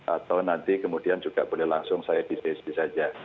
atau nanti kemudian juga boleh langsung saya disesi saja